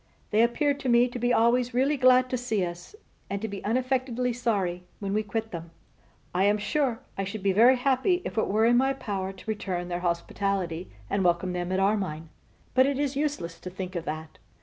They appear to me to be always really glad to see us, and to be unaffectedly sorry when we quit them. I am sure I should be very happy if it were in my power to return their hospitality, and welcome them at Armine: but it is useless to think of that.